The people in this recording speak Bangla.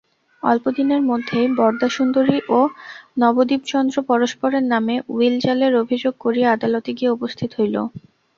অল্পদিনের মধ্যেই বরদাসুন্দরী এবং নবদ্বীপচন্দ্র পরস্পরের নামে উইলজালের অভিযোগ করিয়া আদালতে গিয়া উপস্থিত হইল।